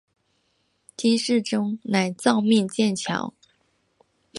金世宗乃诏命建桥。